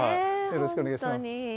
よろしくお願いします。